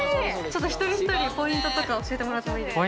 ちょっと一人一人ポイントとか教えてもらってもいいですか？